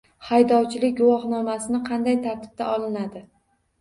Haydovchilik guvohnomasi qanday tartibda olinadi?